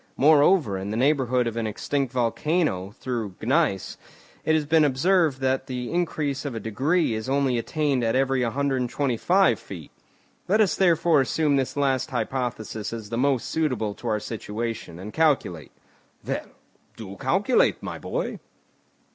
Moreover, in the neighbourhood of an extinct volcano, through gneiss, it has been observed that the increase of a degree is only attained at every 125 feet. Let us therefore assume this last hypothesis as the most suitable to our situation, and calculate." "Well, do calculate, my boy."